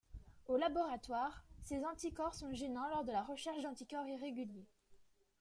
Au laboratoire, ces anticorps sont gênants lors de la recherche d'anticorps irrégulier.